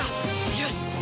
よし！